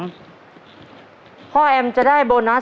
มาดูโบนัสหลังตู้หมายเลข๑กันก่อนนะครับ